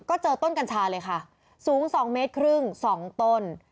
ก็เจอต้นกัญชาเลยค่ะสูง๒เมตรครึ่ง๒ต้น